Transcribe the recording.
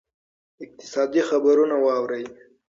اقتصادي خبرونه واورئ.